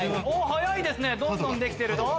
早いですねどんどんできてるぞ。